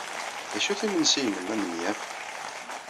D acu-t yimensi-nnem amenyaf?